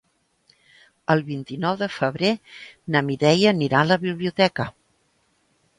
El vint-i-nou de febrer na Mireia anirà a la biblioteca.